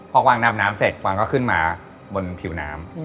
พอกวางดำน้ำเสร็จกวางก็ขึ้นมาบนผิวน้ำ